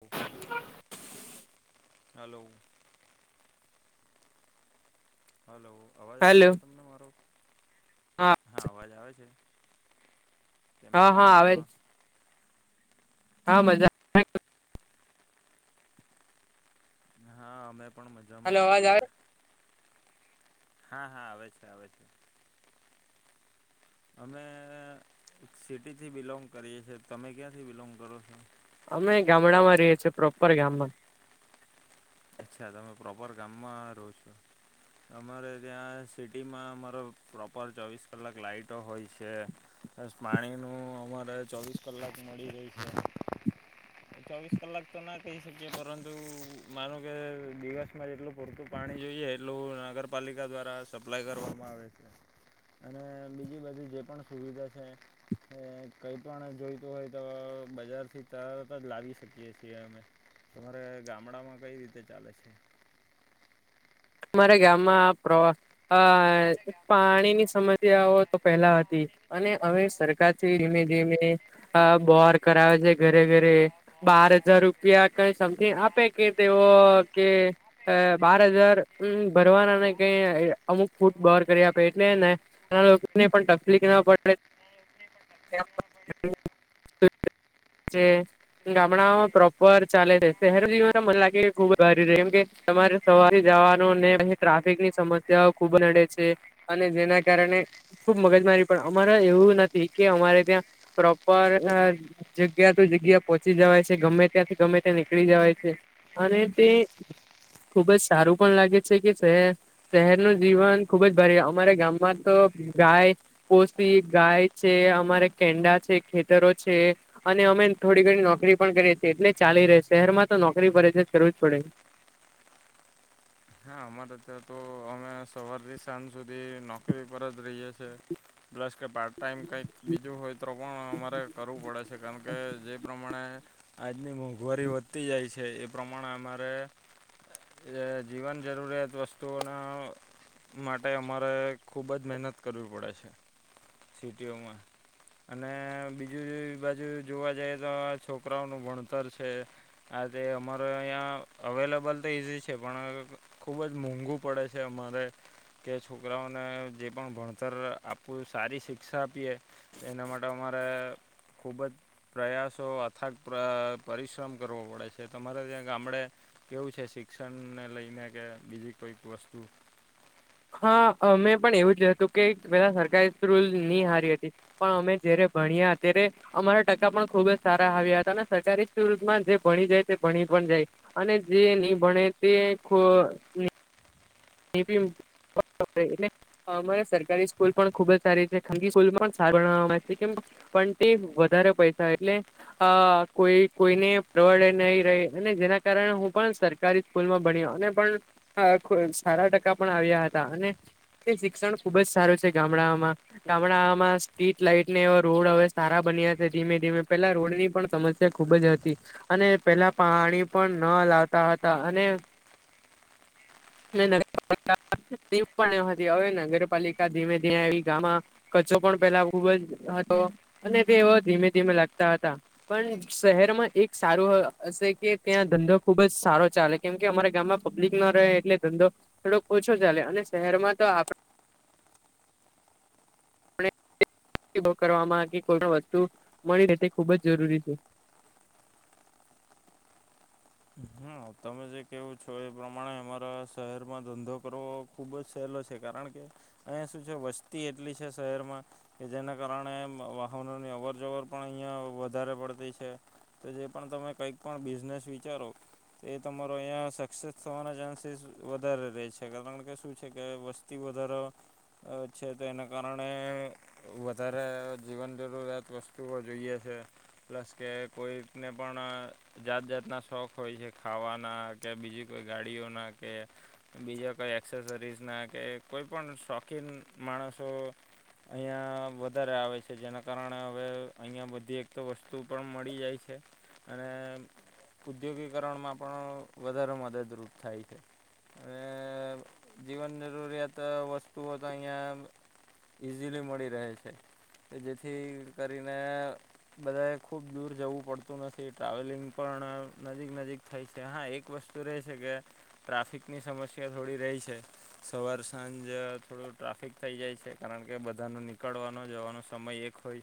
હમ્મ. Hello. Hello અવાજ આવે hello છે તમને મારો હા અવાજ આવે છે કેમ હા છો હા આવે મજામાં હા મજા હા અમે પણ મજામાં હલો જ અવાજ છીએ આવે હા હા આવે છે આવે છે અમે સિટીથી બિલોંગ કરીએ છીએ તમે ક્યાંથી બિલોંગ કરો છો અમે ગામડા માં રહીએ છીએ પ્રોપર ગામમાં અચ્છા તમે પ્રોપર ગામમાં રહો છો અમારે ત્યાં સિટીમાં અમારો પ્રોપર ચોવીસ કલાક લાઈટો હોય છે બસ પાણીનું અમારે ચોવીસ કલાક મળી જાય છે ચોવીસ કલાક તો ના કહી શકીએ પરંતુ માનું કે દિવસમાં જેટલું પૂરતું પાણી જોઈએ એટલું નગરપાલિકા દ્વારા સપ્લાય કરવામાં આવે છે અને બીજી બધી જે પણ સુવિધા છે ને કંઈ પણ જોઈતું હોય તો બજારથી તરત જ લાવી શકીએ છીએ અમે તમારે ગામડામાં કઈ રીતે ચાલે છે મારા ગામમાં પ્રવા અ પાણીની સમસ્યાઓ તો પહેલા હતી અને અવે સરકારથી ધીમે ધીમે આ બોહાર કરાવે છે ઘરે ઘરે બાર હજાર રૂપિયા કઈ સમથિંગ આપે કે તેઓ કે બાર હજાર હમ્મ ભરવાના ને કઈ અમુક ફૂટ બહાર કરી આપે એટલે હે ને એ લોકો ને પણ તકલીફ ના પડે [inaudible] જે ગામડામાં પ્રોપર ચાલે છે શહેર જીવન મને લાગે ખુબ જ સારીમ કે તમારે સવારથી જવા લોન લઈ ટ્રાફિક ની સમસ્યાઓ ખુબ નડે છે અને જેના કારણે ખુબ મગજ મારી પણ અમારે એવું નથી કે અમારે ત્યાં પ્રોપર અ જગ્યા તો જગ્યા પહોંચી જવાય છે ગમે ત્યાંથી ગમે ત્યાં નીકળી જવાય છે. અને તે ખુબ જ સારું પણ લાગે છે કે છે. શહેરનું જીવન ખુબ જ ભારે અમારા ગામમાં તો ગાય કોશતી ગાય છે અમારે કેંડા છે ખેતરો છે અને અમે થોડી ઘણી નોકરી પણ કરીએ છીએ એટલે ચાલી રહે શહેરમાં તો નોકરી પરે છે કરવું જ પડે હા અમારે ત્યાં તો અમે સવારથી સાંજ સુધી નોકરી પર જ રહીએ છે પ્લસ કે પાર્ટ ટાઈમ કઈક બીજું હોય તો પણ અમારે કરવું પડે છે કારણ કે જે પ્રમાણે આજની મોંઘવારી વધતી જાય છે એ પ્રમાણે અમારે એ જીવન જરૂરિયાત વસ્તુઓના માટે અમારે ખૂબ જ મહેનત કરવી પડે છે સિટીઓમાં અને બીજું બાજુ જોવા જઈએ તો છોકરાઓનું ભણતર છે. આ તે અમારે અહીંયા અવેલેબલ તો ઇઝી છે પણ અ ખુબ જ મોંઘુ પડે છે અમારે. કે છોકરાઓને જે પણ ભણતર આપવું સારી શિક્ષા આપીએ એના માટે અમારે ખૂબ જ પ્રયાસો અથાગ પરિશ્રમ કરવો પડે છે તમારે ત્યાં ગામડે કેવું છે શિક્ષણને લઈને કે બીજી કોઈક વસ્તુ. હા મેમે પણ એવું જ હતું કે પેલા સરકારારે રૂલ નહી હારી હતી. પણ અમે જ્યારે ભણ્યા અત્યારે અમારા ટકા પણ ખુબ જ સારા આવ્યા હતા અને સરકારી સ્કૂલમાં જે ભણી જાય તે ભણી પણ જાય. અને જે નહી ભણે તે ખ [unintelligible] અમારે સરકારી સ્કૂલ પણ ખુબ જ સારી છે ખાનગી સ્કૂલ પણ કેમ પણ તે વધારે પૈસા એટલે અ કોઈ કોઈને પ્રવળે નહી ર અને જેના કારણે હું પણ સરકારી સ્કૂલમાં ભણ્યો અને પણ સારા ટકા પણ આવ્યા હતા અને શિક્ષણ ખુબ જ સારું છે ગામડામાં. ગામડામાં સ્ટ્રીટ લાઈટને એ રોડ હવે સારા બન્યા છે ધીમે ધીમે પેલા રોડની પણ સમસ્યા તે ખૂબ જ હતી, અને પેલા પાણી પણ ન લાવતા હતા અને પણ એ હવે નગરપાલિકા ધીમે ધીમે આવી ગામ કચ્ચો પણ પેલા ખૂબ જ હતો, અને તે એવા ધીમે ધીમે લાગતા હતા. પણ શહેરમાં એક સારું હશે કે ત્યાં ધંધો ખુબ જ સારો ચાલે. કેમ કે અમારા ગામમાં પબ્લિક ન રહે એટલે ધંધો થોડોક ઓછો ચાલે અને શહેરમાં તો આપ કરવામાં કે કોઈ પણ વસ્તુ મળી રહે તે ખુબ જ જરૂરી છે. હ તમે જે કહેવું છો એ પ્રમાણે અમારા શહેરમાં ધંધો કરવો ખૂબ જ સહેલો છે કારણ કે અહીંયા શું છે વસ્તી એટલી છે શહેરમાં કે જેના કારણે વાહનોની અવર જવર પણ અહીંયા વધારે પડતી છે. તો જે પણ તમે કંઈક પણ બિઝનેસ વિચારો. તો એ તમારો અહીંયા સક્સેસ થવાના ચાન્સીસ વધારે રહે છે કારણ કે શું છે કે વસ્તુ અતિ વધારો છે, તો એના કારણે વધારે જીવન જરૂરિયાત વસ્તુઓ જોઈએ છે. પ્લસ કે કોઈકને પણ જાત જાતના શોખ હોય છે. ખાવાના કે બીજી કોઈ ગાડીઓના કે બીજા કંઈ એક્સેસરીઝના કે કોઈ પણ શોખીન માણસો અહીંયા વધારે આવે છે જેના કારણે હવે અહીંયા બધી એક તો વસ્તુ પણ મળી જાય છે. અને ઉદ્યોગીકરણમાં પણ વધારે મદદરૂપ થાય છે. હવે જીવન જરૂરિયાત વસ્તુઓ તો અહીંયા ઈઝીલી મળી રહે છે, કે જેથી કરીને બધાએ ખુબ દૂર જવું પડતું નથી ટ્રાવેલિંગ પણ નજીક નજીક થઈ છે, હા એક વસ્તુ રહે છે કે ટ્રાફિકની સમસ્યા થોડી રહી છે. સવાર સાંજ થોડું ટ્રાફિક થઈ જાય છે કારણ કે બધાનો નીકળવાનો જવાનો સમય એક હોઈ.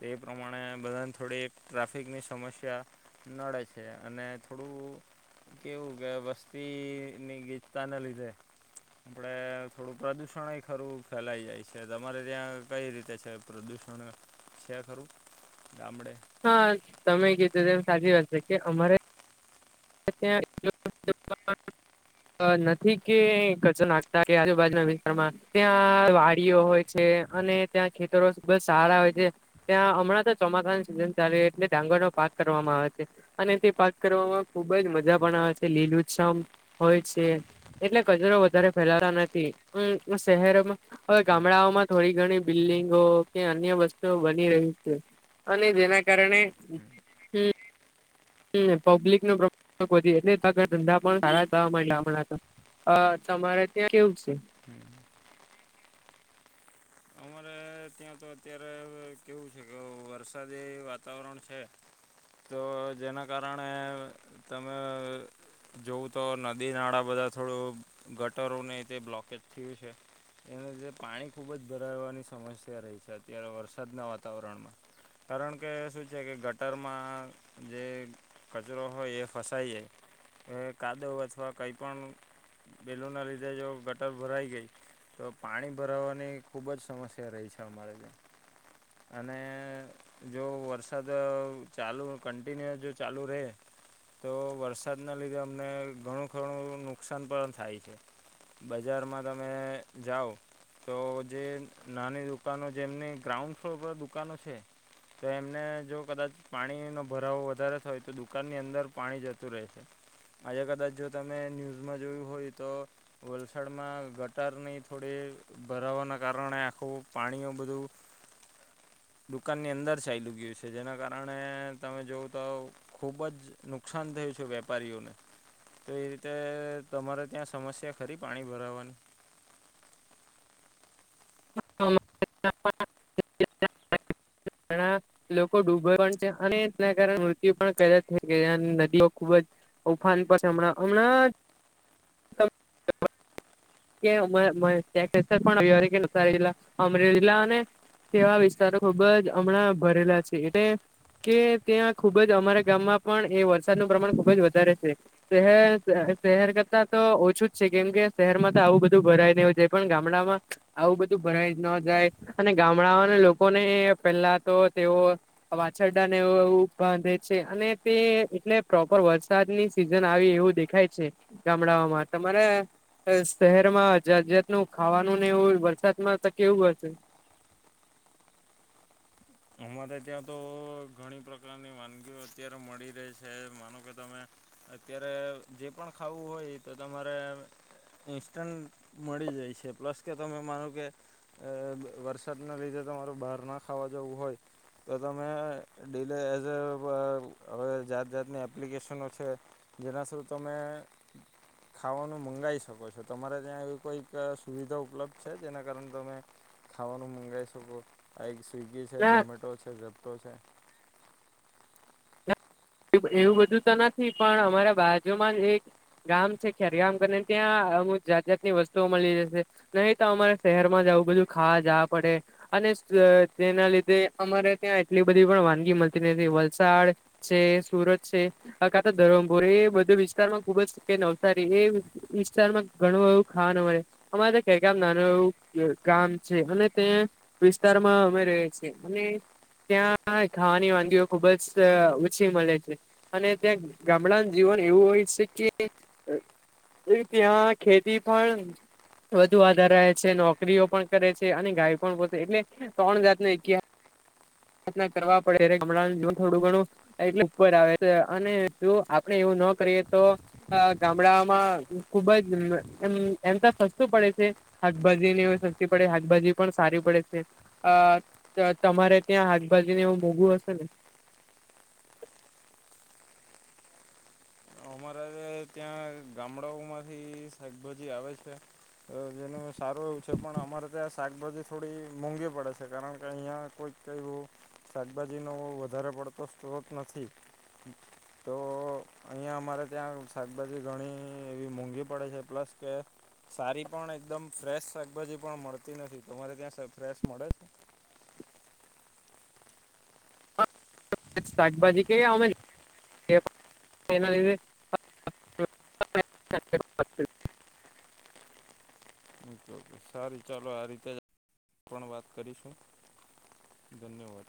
તે પ્રમાણે બધાને થોડી ટ્રાફિકની સમસ્યા, નડે છે અને થોડું કેવું કે વસ્તીની ગીચતાને લીધે. આપણે થોડું પ્રદૂષણય ખરું ફેલાઈ જાય છે તમારે ત્યાં કઈ રીતે છે? પ્રદૂષણ છે ખરું ગામડે? હા તમે કીધું એમ સાચી વાત છે કે અમારે [unintelligible] નથી કે કજો નાખતા કે આજુબાજુના વિસ્તારમાં ત્યાં વાડીઓ હોય. છે, અને ત્યાં ખેતરો બ સારા હોય છે. ત્યાં હમણાં તો ચોમાસાની સિઝન ચાલે એટલે ડાંગરનો પાક કરવામાં આવે છે. અને તે પાક કરવામાં ખુબ જ મજા હમ પણ આવે છે લીલું શમ હોય છે. એટલે કચરો વધારે ફેલાતા નથી શહેરોમાં હવે હમ ગામડાઓમાં થોડી ઘણી બિલ્ડિંગો કે અન્ય વસ્તુઓ બની રહી છે. અને જેના કારણે પબ્લિક નો એટલે ધંધા પણ [unintelligible] હતા. હ તમારે ત્યાં કેવું છે? [inaudible] અમારે ત્યાં તો અત્યારે કેવું છે કે વરસાદી વાતાવરણ છે. તો જેના કારણે તમે જોવું તો નદી નાળા બધા થોડું ગટરોને તે બ્લોકેજ થયું છે. એના જે પાણી ખૂબ જ ભરાવવાની સમસ્યા રહી છે અત્યારે વરસાદના વાતાવરણમાં કારણ કે શું છે કે ગટરમાં જે કચરો હોય એ ફસાઈ જાય કાદવ અથવા કઈ પણ બેલું ના લીધે જો ગટર ભરાઈ ગઈ તો પાણી ભરાવાની ખુબ જ સમસ્યા રહી છે અમારે ત્યા અને જો વરસાદ ચાલુ કન્ટિન્યુઅસ જો ચાલુ રહે તો વરસાદના લીધે અમને ઘણું ઘણું નુકસાન પણ થાય છે. બજારમાં તમે જાઓ તો જે નાની દુકાનો જેમની ગ્રાઉન્ડ ફ્લોર પર દુકાનો છે. તો એમને જો કદાચ પાણીનો ભરાવો વધારે થાય તો દુકાનની અંદર પાણી જતું રહેશે. આજે કદાચ જો તમે ન્યૂઝમાં જોયું હોય તો વલસાડમાં ગટારની થોડી ભરાવાના કારણે આખું પાણીઓ બધું દુકાનની અંદર ચાલુ ગયું છે જેના કારણે તમે જોવ તો ખુબ જ નુકસાન થયું છે વેપારીઓને તો એ રીતે તમારે ત્યાં સમસ્યા ખરી પાણી ભરાવવાની [inaudible] [unintelligible] [unintelligible] લોકો ડુબે પણ છે અને તેના કારણે મૃત્યુ પણ [unintelligible] નદીઓ ખુબ જ. ઉફાન પાસે હમણાં [unintelligible] કે [unintelligible] અમરેલી [unintelligible] તેવા વિસ્તારો ખુબ જ હમણાં ભરેલા છે એટલે કે ત્યાં ખુબ જ અમારા ગામમાં પણ એ વરસાદનું પ્રમાણ ખુબ જ વધારે છે. શહેર, શહેર કરતા તો ઓછું જ છે કેમ કે શહેરમાં તો આવું બધું ભરાય નું જાય પણ ગામડામાં આવું બધું ભરાય ન જાય. અને ગામડાઓના લોકો ને પેલા તો તેઓ વાછરડા ને એવું બાંધે છે અને તે એટલે પ્રોપર વરસાદની સિઝન આવી એવું દેખ ખાય છે ગામડાઓમાં તમારે શહેર માં જાત જાતનું ખાવાનું એવું વરસાદમાં તો કેવું હશે અમારે ત્યાં તો ઘણી પ્રકારની વાનગીઓ અત્યારે મળી રહી છે માનો કે તમે અત્યારે જે પણ ખાવું હોય તો તમારે ઇન્સ્ટન્ટ મળી જાય છે પ્લસ કે તમે માનું કે અ વરસાદના લીધે તમારું બહાર ના ખાવા જવું હોય તો તમે ડીલે એઝ અ હવે જાત જાતની એપ્લિકેશનો છે. જેના શું તમે ખાવાનું મંગાવી શકો છો તમારે ત્યાં એવી કોઈક સુવિધા ઉપલબ્ધ છે જેના કારણે તમે ખાવાનું મંગાવી શકો આ એક સ્વિગી છે ના ઝોમેટો છે ઝેપટો છે. એવું બધું તો નથી પણ અમારા બાજુમાં જ એક ગામ છે ખેરગામ કરીને ત્યાં અમુક જાત જાતની વસ્તુઓ મળી જશે. નહી તો અમારે શહેરમાં જવું બધું ખાવા જવા પડે. અને તેના લીધે અમારે ત્યાં એટલી બધી પણ વાનગી મળતી નથી વલસાડ. છે સુરત છે, કા તો ધરમપુર એ બધા વિસ્તાર માં ખુબ જ કે નવસારી એ વિસ્તારમાં ઘણું એવું ખાવાનું મળે. અમારે કકમ નાનું એવું ગામ છે અને ત્યાં વિસ્તારમાં અમે ર છીએ, અને ત્યાં ખાવાની વાગીઓ ખુબ જ છી મળે છે, અને ભત્યાં ગામડાનું જીવન એવું હોય છે કે એ ત્યાં ખેતી પણ વધુ આધાર છે નોકરીઓ પણ કરે છે અને ગાય પણ પોતે એટલે, ત્રણ જાતનો ઇતિહાસ પ્રય કરવા પડે હમણાં થોડું ઘણું એટલેર આવે અને જો આપડે એવું ના કરીએ તો અ ગામડામાં ખુબ જ એમ તો સસ્તું પડે છે. શાકભાજી ની શક્તી પડે શાકભાજી પણ સારી પડે છે, અ તમારે ત્યાં શાકભાજી ને એવ મોઘું હશે ને? અમારાજ ત્યાં ગામડાઓ માંથી શાકભાજી આવે છે. તો જેનું સારું એવું છે પણ અમારે ત્યાં શાકભાજી થોડી મોંઘી પડે છે કારણ કે અહીંયા કોઈ ક શાકભાજી નો વધારે પડતો સ્ત્રોત નથી. તો અહીંયા અમારે ત્યાં શાકભાજી ઘણી એવી મોંઘી પડે છે પ્લસ કે સારી પણ એકદમ ફ્રેશ શાકભાજી પણ મળતી નથી તમારે ત્યાં ફ્રેશ મળે છે? શાકભાજી કે અમે એના લીધે [inaudible] ઓકે સારી ચાલો આ રીતે પણ વાત કરીશું, ધન્યવાદ.